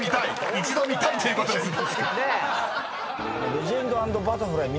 一度見たいということですね］